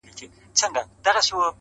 پرې کوي غاړي د خپلو اولادونو!